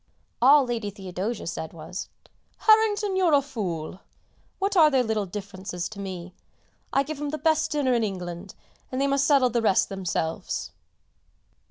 All Lady Theodosia said was "Harrington, you're a fool. What are their little differences to me? I give 'em the best dinner in England, and they must settle the rest themselves!"